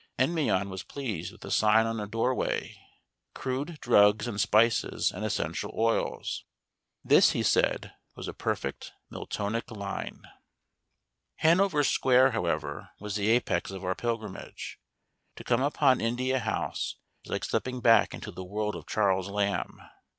Endymion was pleased with a sign on a doorway: "Crude drugs and spices and essential oils." This, he said, was a perfect Miltonic line. Hanover Square, however, was the apex of our pilgrimage. To come upon India House is like stepping back into the world of Charles Lamb.